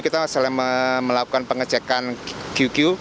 kita selalu melakukan pengecekan q